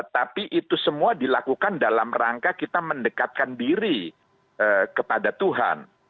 tapi itu semua dilakukan dalam rangka kita mendekatkan diri kepada tuhan